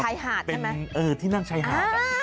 ชายหาดใช่ไหมอ่าเออ